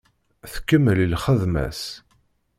Tkemmel i lxedma-s.